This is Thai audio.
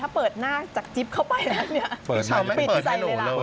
แต่ถ้าเปิดหน้าจากจิ๊บเขาไปแล้วเนี่ยพี่เช้าไม่ให้เปิดให้หนูเลย